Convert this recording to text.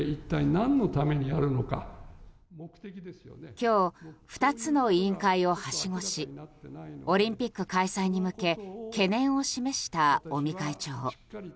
今日、２つの委員会をはしごしオリンピック開催に向け懸念を示した尾身会長。